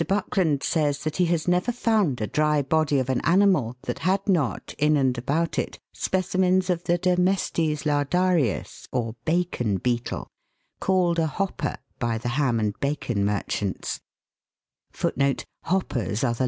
Buckland says that he has never found a dry body of an animal that had not in and about it specimens of \hzDermtsttstardarius, or bacon beetle, called a "hopper"* by the ham and bacon merchants.